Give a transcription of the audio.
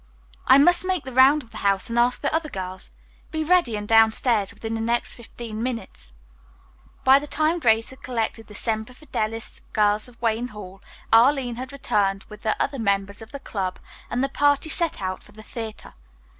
"I must make the round of the house and ask the other girls. Be ready and downstairs, within the next fifteen minutes." By the time Grace had collected the Semper Fidelis girls of Wayne Hall, Arline had returned with the other members of the club, and the party set out for the theatre.